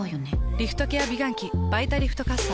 リフトケア美顔器「バイタリフトかっさ」。